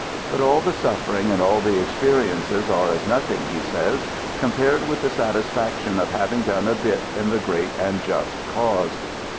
But all the suffering and all the experiences are as nothing, he says, compared with " the satisfaction of having done a bit in the great and just cause."